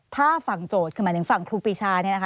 ถ้าฝั่งโจทย์คือหมายถึงฝั่งครูปีชาเนี่ยนะคะ